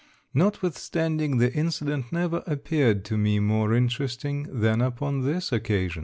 Notwithstanding, the incident never appeared to me more interesting than upon this occasion.